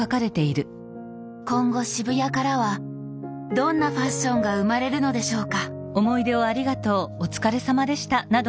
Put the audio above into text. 今後渋谷からはどんなファッションが生まれるのでしょうか